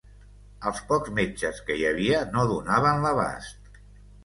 Els pocs metges que hi havia no donaven l'abast